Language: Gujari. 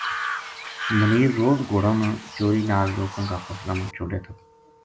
منیر روز گھوڑاں نا چوری نال لوکاں کا فصلاں ما چھوڈے تھو